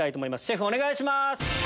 シェフお願いします。